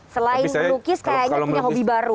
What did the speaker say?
selain melukis kayaknya punya hobi baru